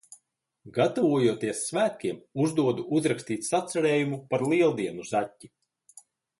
Gatavojoties svētkiem, uzdodu uzrakstīt sacerējumu par Lieldienu Zaķi.